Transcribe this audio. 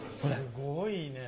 すごいね。